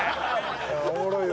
おもろいわ。